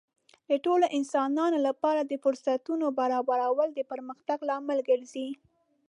د ټولو انسانانو لپاره د فرصتونو برابرول د پرمختګ لامل ګرځي.